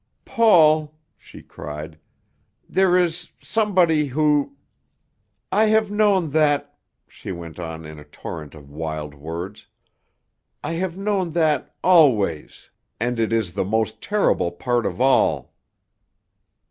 "Paul," she cried, "there is somebody who "I have known that," she went on in a torrent of wild words. "I have known that always, and it is the most terrible part of all!"